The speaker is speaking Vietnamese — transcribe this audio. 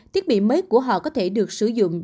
thiết bị mới của họ có thể được sử dụng